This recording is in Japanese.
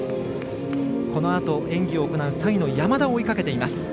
このあと演技を行う３位の山田を追いかけています。